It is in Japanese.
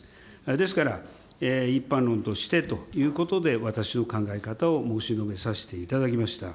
ですから、一般論としてということで、私の考え方を申し述べさせていただきました。